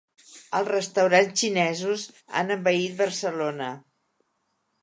Els restaurants xinesos han envaït Barcelona.